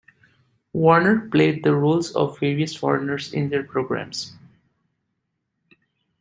Warner played the roles of various foreigners in their programs.